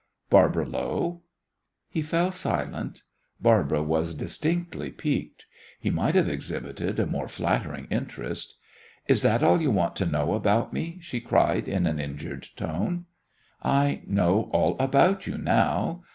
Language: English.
"Barbara Lowe." He fell silent. Barbara was distinctly piqued. He might have exhibited a more flattering interest. "Is that all you want to know about me?" she cried in an injured tone. "I know all about you now.